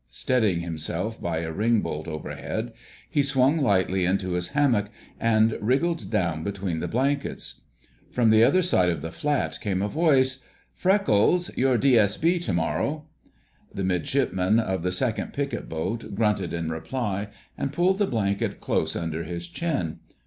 Steadying himself by a ringbolt overhead, he swung lightly into his hammock and wriggled down between the blankets. From the other side of the flat came a voice— "Freckles, you're D.S.B. to morrow." The Midshipman of the Second Picket Boat grunted in reply and pulled the blanket close under his chin.